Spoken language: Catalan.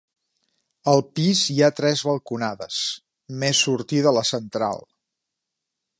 Al pis hi ha tres balconades, més sortida la central.